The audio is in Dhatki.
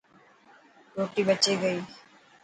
روٽي بچي گئي.